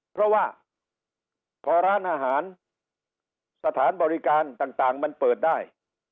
เพราะว่าพอร้านอาหารสถานบริการต่างมันเปิดได้